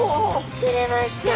釣れました。